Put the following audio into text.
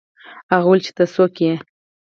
هغه وویل چې ته څوک یې.